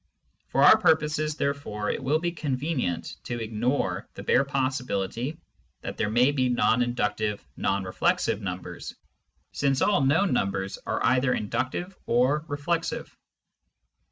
For our pur poses, therefore, it will be convenient to ignore the bare possibility that there may be non inductive non reflexive numbers, since all known numbers are either inductive or reflexive.